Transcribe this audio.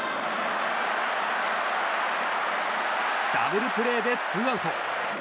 ダブルプレーでツーアウト。